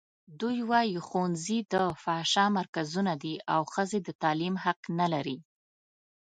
دوی وايي ښوونځي د فحشا مرکزونه دي او ښځې د تعلیم حق نه لري.